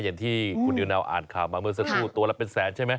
อย่างที่คุณนิวนาวอ่านข่าวมาเมื่อสักครู่ตัวละเป็นแสนใช่ไหม